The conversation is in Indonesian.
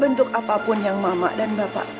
bentuk apapun yang mama dan bapak